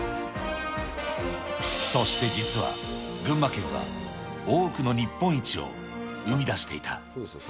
そして実は、群馬県は多くの日本一を生み出していた。